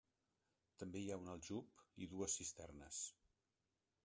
També hi ha un aljub i dues cisternes.